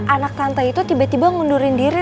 anak tante itu tiba tiba mundurin diri